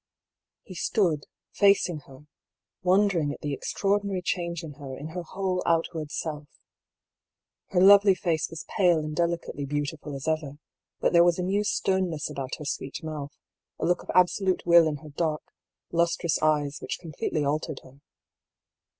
He stood, facing her, wondering at the extraordinary change in her, in her whole outward self. Her lovely face was pale and delicately beautiful as ever ; but there was a new sternness about her sweet mouth, a look of absolute will in her dark, lustrous eyes which complete ly altered her.